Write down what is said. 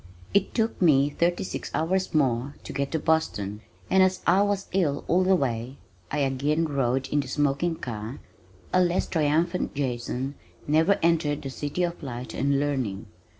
It took me thirty six hours more to get to Boston, and as I was ill all the way (I again rode in the smoking car) a less triumphant Jason never entered the City of Light and Learning.